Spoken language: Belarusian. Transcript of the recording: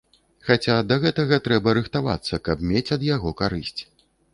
Хаця да гэтага трэба рыхтавацца, каб мець ад яго карысць.